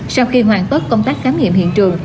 sau khi hoàn tất công tác khám nghiệm hiện trường